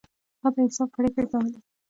هغه د انصاف پریکړې کولې.